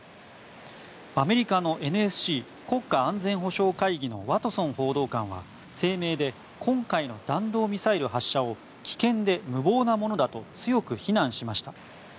アメリカのＮＳＣ・国家安全保障会議のワトソン報道官は声明で今回の弾道ミサイル発射を危険で無謀なものだと強く非難しました。